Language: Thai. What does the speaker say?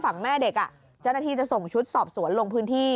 ฝั่งแม่เด็กเจ้าหน้าที่จะส่งชุดสอบสวนลงพื้นที่